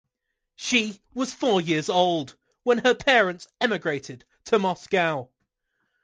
She was four years old when her parents emigrated to Moscow.